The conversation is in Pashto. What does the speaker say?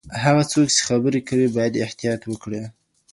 هغه څوک چي خبري کوي، بايد احتياط وکړي.